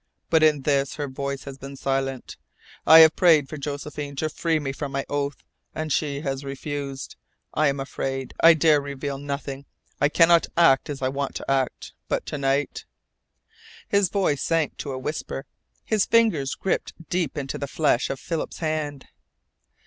But in this her voice has been silent. I have prayed Josephine to free me from my oath, and she has refused. I am afraid. I dare reveal nothing. I cannot act as I want to act. But to night " His voice sank to a whisper. His fingers gripped deep into the flesh of Philip's hand.